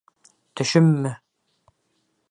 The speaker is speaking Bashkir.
Төшөммө...